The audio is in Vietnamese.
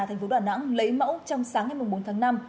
thành phố đà nẵng lấy mẫu trong sáng ngày bốn tháng năm